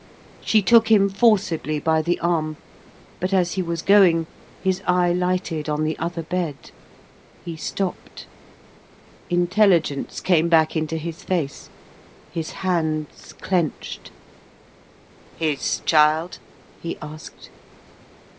She took him forcibly by the arm; but, as he was going, his eye lighted on the other bed: he stopped. Intelligence came back into his face. His hands clenched. "His child?" he asked.